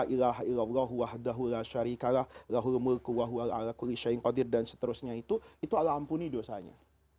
itu alhamduli dosanya